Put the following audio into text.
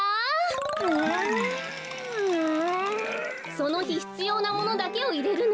そのひひつようなものだけをいれるの。